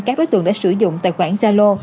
các đối tượng đã sử dụng tài khoản zalo